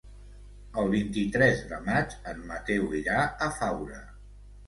El vint-i-tres de maig en Mateu irà a Faura.